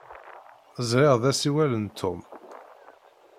Ẓriɣ d asiwel n Tom.